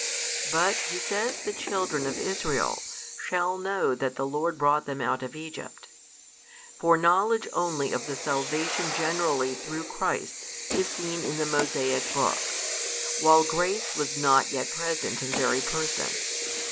But He says the children of Israel shall know that the Lord brought them out of Egypt. For knowledge only of the salvation generally through Christ is seen in the Mosaic book, while grace was not yet present in very person.